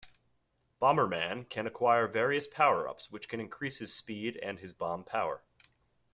Bomberman can acquire various power-ups which can increase his speed and his bomb power.